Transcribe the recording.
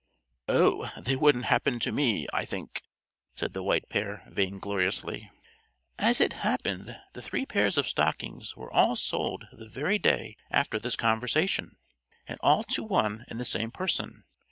"Oh, they wouldn't happen to me, I think," said the White Pair vaingloriously. As it happened, the three pairs of stockings were all sold the very day after this conversation, and all to one and the same person.